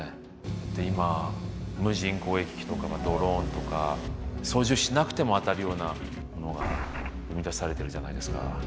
で今無人攻撃機とかドローンとか操縦しなくても当たるようなものが生み出されてるじゃないですか。